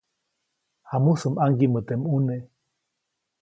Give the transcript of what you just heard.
Jamusä ʼmaŋgiʼmä teʼ ʼmune.